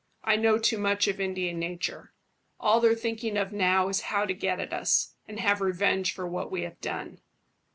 I know too much of Indian nature. All they're thinking of now is how to get at us, and have revenge for what we have done."